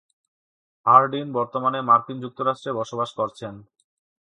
Hardin বর্তমানে মার্কিন যুক্তরাষ্ট্রে বসবাস করছেন।